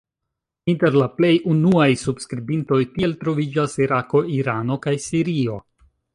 Inter la plej unuaj subskribintoj tiel troviĝas Irako, Irano kaj Sirio.